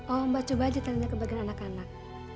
oh mbak coba aja tanya ke bagian anak anak